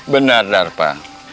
tidak akan berani pak